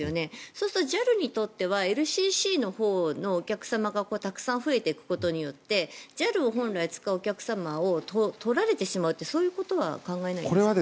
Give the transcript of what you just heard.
そうするとＪＡＬにとってはＬＣＣのほうのお客様がたくさん増えていくことによってＪＡＬを本来使うお客様を取られてしまう、そういうことは考えないんですか。